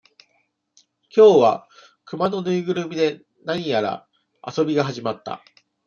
今日は、熊の縫いぐるみで、何やら遊びが始まった。